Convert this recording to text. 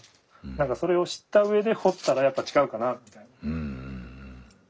何かそれを知ったうえで彫ったらやっぱ違うかなみたいな。